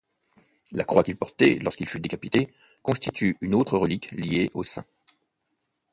La croix qu’il portait lorsqu’il fut décapité constitue une autre relique liée au saint.